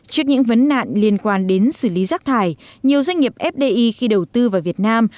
trước những vấn nạn liên quan đến xử lý rác thải nhiều doanh nghiệp fdi khi đầu tư vào việt nam